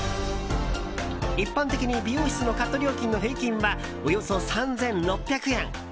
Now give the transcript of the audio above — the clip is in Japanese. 一般的に美容室のカット料金の平均はおよそ３６００円。